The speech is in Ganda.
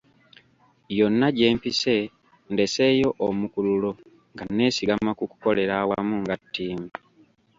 Yonna gye mpise ndeseeyo omukululo nga nneesigama ku kukolera awamu nga ttiimu.